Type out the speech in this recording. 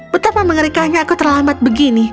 betapa mengerikannya aku terlambat begini